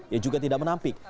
ia juga tidak menampik